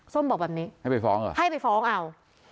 บอกแบบนี้ให้ไปฟ้องเหรอให้ไปฟ้องเอา